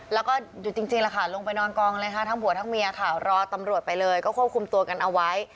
แล้วก็หยุดจริงแหละค่ะลงไปนอนกองเลยค่ะทั้งผัวทั้งเมียค่ะรอตำรวจไปเลยก็ควบคุมตัวกันเอาไว้